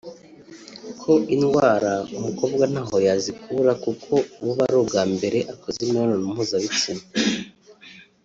ko indwara umukobwa ntaho yazikura kuko buba ari ubwa mbere akoze imibonano mpuzabitsina